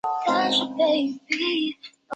圣西吉斯蒙人口变化图示